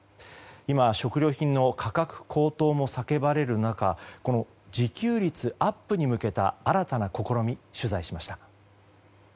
今、食料品の価格高騰も叫ばれる中この自給率アップに向けた新たな試み、取材しました。